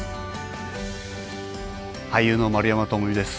俳優の丸山智己です。